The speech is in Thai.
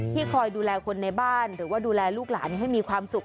คอยดูแลคนในบ้านหรือว่าดูแลลูกหลานให้มีความสุข